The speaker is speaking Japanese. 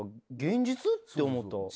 現実？って思った。